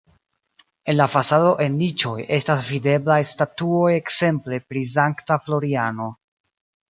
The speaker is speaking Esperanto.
En la fasado en niĉoj estas videblaj statuoj ekzemple pri Sankta Floriano.